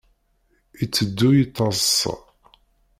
Iteddu yettaḍsa.